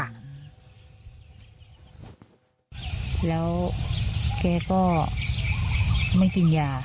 แล้วแกก็ไม่กินยา